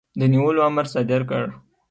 د نیولو امر صادر کړ.